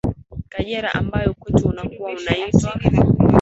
kajera ambao kwetu unakuwa unaitwa